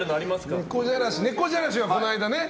ねこじゃらしがこの間ね。